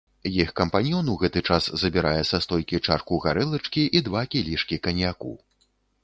Іх кампаньён ў гэты час забірае са стойкі чарку гарэлачкі і два кілішкі каньяку.